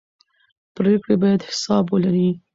پرېکړې باید حساب ولري